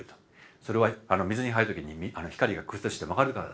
それは水に入る時に光が屈折して曲がるからだと。